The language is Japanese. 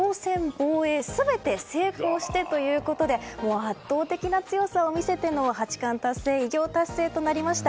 ・防衛全て成功してということで圧倒的な強さを見せての八冠達成、偉業達成となりました。